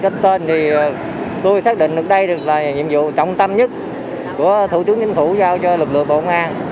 cách tên thì tôi xác định được đây là nhiệm vụ trọng tâm nhất của thủ tướng chính phủ giao cho lực lượng bộ công an